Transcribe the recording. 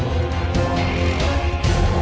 mama punya rencana